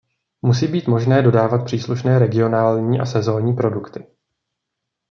Musí být možné dodávat příslušné regionální a sezonní produkty.